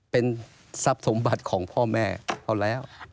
เป็นทรัพย์สมบัติของพ่อแม่เขาแล้ว